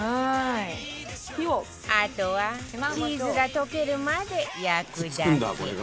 あとはチーズが溶けるまで焼くだけ